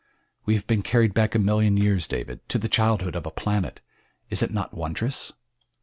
We have been carried back a million years, David, to the childhood of a planet is it not wondrous?"